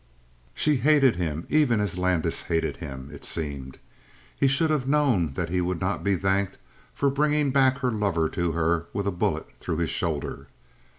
She hated him even as Landis hated him, it seemed. He should have known that he would not be thanked for bringing back her lover to her with a bullet through his shoulder.